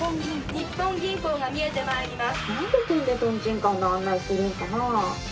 にっぽん銀行が見えてまいりなんで、てんでとんちんかんの案内するのかな。